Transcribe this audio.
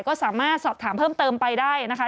ก็สามารถสอบถามเพิ่มเติมไปได้นะคะ